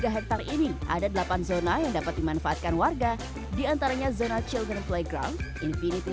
tiga hektare ini ada delapan zona yang dapat dimanfaatkan warga diantaranya zona children playground infinity